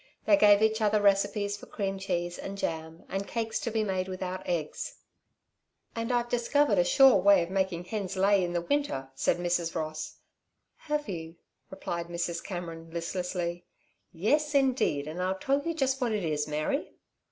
They gave each other recipes for cream cheese, and jam, and cakes to be made without eggs. "And I've discovered a sure way of making hens lay in the winter," said Mrs. Ross. "Have you?" replied Mrs. Cameron, listlessly. "Yes, indeed, and I'll tell you just what it is, Mary!"